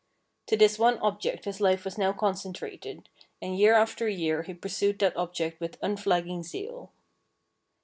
To this one object his life was now concentrated, and year after year he pursued that object with unflagging zeal.